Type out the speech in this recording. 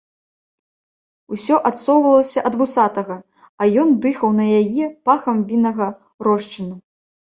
Усё адсоўвалася ад вусатага, а ён дыхаў на яе пахам віннага рошчыну.